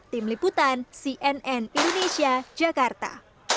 tim liputan cnn indonesia jakarta